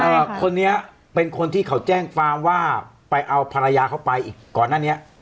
คนนี้เป็นคนที่เขาแจ้งความว่าไปเอาภรรยาเขาไปอีกก่อนหน้านี้